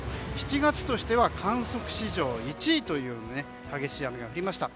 ７月としては観測史上１位という激しい雨が降りました。